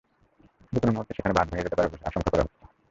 যেকোনো মুহূর্তে সেখানে বাঁধ ভেঙে যেতে পারে বলে আশঙ্কা করা হচ্ছে।